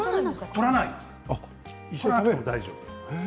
取らなくても大丈夫。